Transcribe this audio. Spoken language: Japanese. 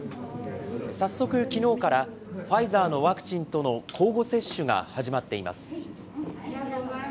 早速、きのうからファイザーのワクチンとの交互接種が始まっています。